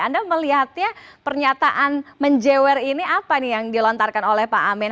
anda melihatnya pernyataan menjewer ini apa nih yang dilontarkan oleh pak amin